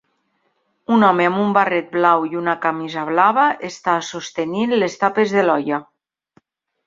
Un home amb un barret blau i una camisa blava està sostenint les tapes de l'olla.